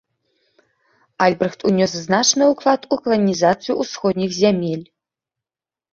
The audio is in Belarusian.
Альбрэхт ўнёс значны ўклад у каланізацыю ўсходніх зямель.